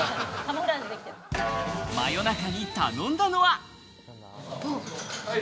真夜中に頼んだのは。